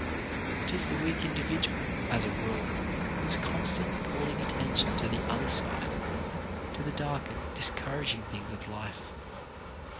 It is the weak individ ual, as a rule, who is constantly calling attention to the other side — to the dark and discouraging things of life.